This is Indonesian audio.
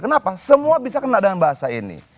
kenapa semua bisa kena dengan bahasa ini